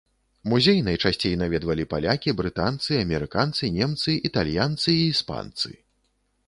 Музей найчасцей наведвалі палякі, брытанцы, амерыканцы, немцы, італьянцы і іспанцы.